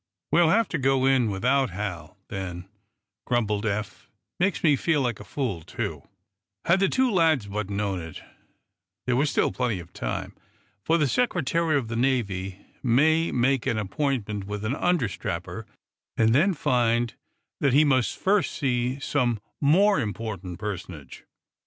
"We'll have to go in without Hal, then," grumbled Eph. "It makes me feel like a fool, too!" Had the two lads but known it, there was still plenty of time. For the Secretary of the Navy may make an appointment with an understrapper, and then find that he must first see some more important personage.